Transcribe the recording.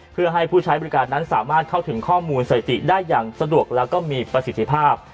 เพื่อให้ผู้ใช้บริการนั้นสามารถเข้าถึงข้อมูลสถิติได้อย่างสะดวกแล้วก็มีประสิทธิภาพ